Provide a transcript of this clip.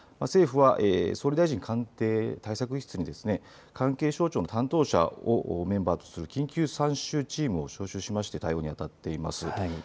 政府は対策室に関係省庁の担当者をメンバーとする緊急参集チームを招集して対応にあたっています。